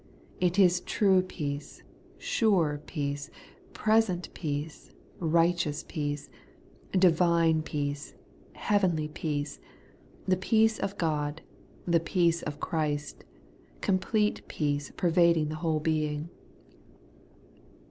It is true peace; sure peace; present peace; righteous peace; divine peace ; heavenly peace ; the peace of God ; the peace of Christ ; complete peace, pervading the whole being.